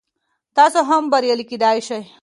تاسو هم بریالی کیدلی شئ.